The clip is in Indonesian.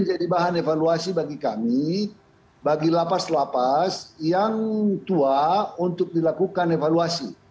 jadi bahan evaluasi bagi kami bagi lapas lapas yang tua untuk dilakukan evaluasi